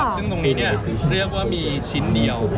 ซึ่งตรงนี้เรียกว่ามีชิ้นเดียว